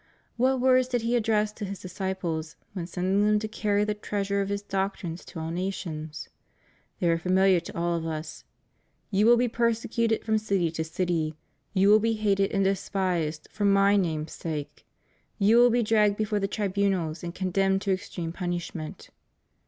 What words did He address to His disciples when sending them to carry the treasure of His doctrines to all nations? They are famihar to us all: "You will be persecuted from city to city: you will be hated and despised for My Name's sake: you will be dragged before the tribunals, and con demned to extreme punishment."